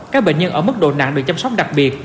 các bệnh nhân ở mức độ nặng được chăm sóc đặc biệt